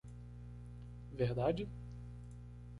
Verdade?